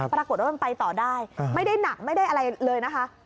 ปรากฏว่ามันไปต่อได้ไม่ได้หนักไม่ได้อะไรเลยนะคะ